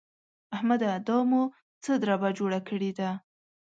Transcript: احمده! دا مو څه دربه جوړه کړې ده؟!